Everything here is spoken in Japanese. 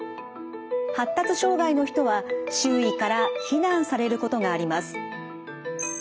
発達障害の人は周囲から非難されることがあります。